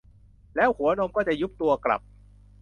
แล้วหัวนมก็จะยุบตัวกลับ